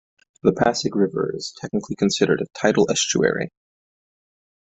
The Pasig River is technically considered a tidal estuary.